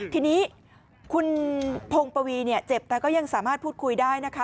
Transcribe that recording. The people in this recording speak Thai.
ทีนี้คุณพงปวีเนี่ยเจ็บแต่ก็ยังสามารถพูดคุยได้นะคะ